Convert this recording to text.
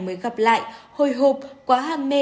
mới gặp lại hồi hộp quá ham mê